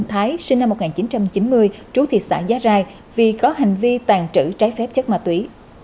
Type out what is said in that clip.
thái sinh năm một nghìn chín trăm chín mươi trú thị xã giá rai vì có hành vi tàn trữ trái phép chất ma túy